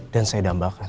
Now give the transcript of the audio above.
dan saya dambakan